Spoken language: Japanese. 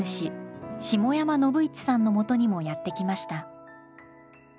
下山信市さんのもとにもやって来ました。